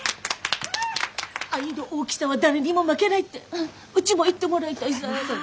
「愛の大きさは誰にも負けない」ってうちも言ってもらいたいさぁ。